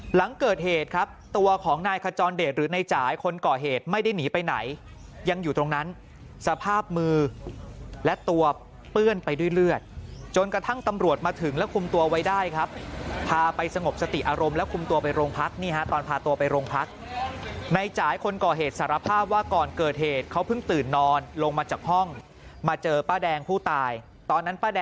หลังเกิดเหตุครับตัวของนายขจรเดชหรือในจ่ายคนก่อเหตุไม่ได้หนีไปไหนยังอยู่ตรงนั้นสภาพมือและตัวเปื้อนไปด้วยเลือดจนกระทั่งตำรวจมาถึงแล้วคุมตัวไว้ได้ครับพาไปสงบสติอารมณ์แล้วคุมตัวไปโรงพักนี่ฮะตอนพาตัวไปโรงพักในจ่ายคนก่อเหตุสารภาพว่าก่อนเกิดเหตุเขาเพิ่งตื่นนอนลงมาจากห้องมาเจอป้าแดงผู้ตายตอนนั้นป้าแด